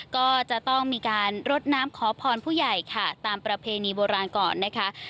ก็จะต้องมีการรดน้ำขอพรผู้ใหญ่ค่ะตามประเพณีโบราณก่อนนะคะ